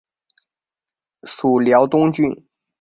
属辽东郡。